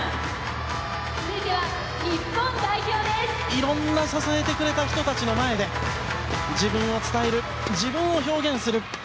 いろんな支えてくれた人たちの前で自分を伝える、自分を表現する。